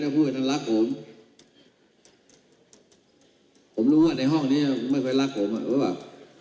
ผมรู้ว่าในห้องนี้ไม่เคยรักผมอ่ะหรือเปล่า